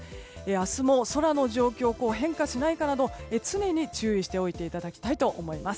明日も空の状況、変化しないかなど常に注意しておいていただきたいと思います。